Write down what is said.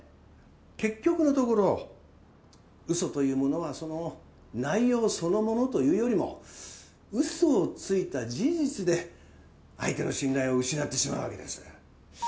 結局のところウソというものはその内容そのものというよりもウソをついた事実で相手の信頼を失ってしまうわけです。